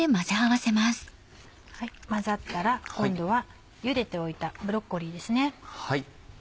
混ざったら今度は茹でておいたブロッコリーですね。